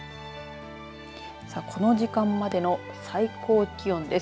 さあ、この時間までの最高気温です。